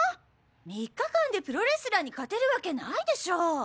３日間でプロレスラーに勝てるわけないでしょ！